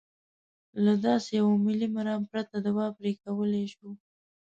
له داسې یوه ملي مرام پرته دوا پرې کولای شو.